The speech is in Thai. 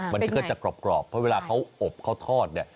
มันก็จะกรอบเพราะเวลาเขาอบเขาทอดเนี่ย